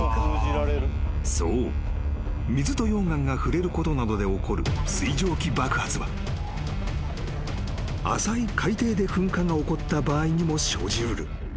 水と溶岩が触れることなどで起こる水蒸気爆発は浅い海底で噴火が起こった場合にも生じ得る］